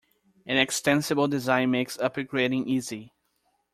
An extensible design makes upgrading easy.